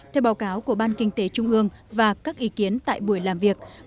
theo báo cáo của ban kinh tế trung ương và các ý kiến tại buổi làm việc